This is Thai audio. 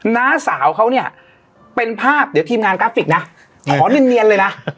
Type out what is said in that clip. น้าสาวเขาเนี่ยเป็นภาพเดี๋ยวทีมงานกราฟิกนะขอเนียนเลยนะ